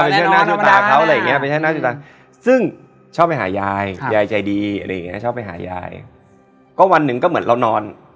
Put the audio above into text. ซึ่งชอบไปหายายชอบไปหายายใจดีวันนึงก็เหมือนเรานอน